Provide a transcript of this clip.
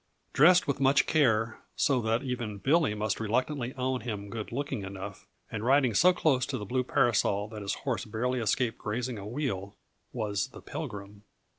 Dressed with much care, so that even Billy must reluctantly own him good looking enough, and riding so close to the blue parasol that his horse barely escaped grazing a wheel, was the Pilgrim.